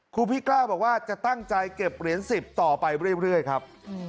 พี่กล้าบอกว่าจะตั้งใจเก็บเหรียญ๑๐ต่อไปเรื่อยครับ